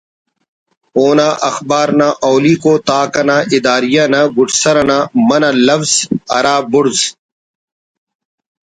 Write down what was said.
اونا اخبار نا اولیکو تاک انا اداریہ نا گڈ سر نا منہ لوز ہرا بڑز